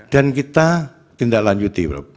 dan kita tindaklanjuti bawasdo